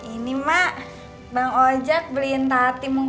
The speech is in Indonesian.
ini mak bang ojak beliin tati mau kena